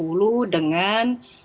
terlebih dahulu dengan